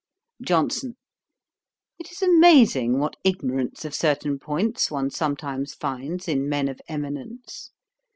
JOHNSON. 'It is amazing what ignorance of certain points one sometimes finds in men of eminence.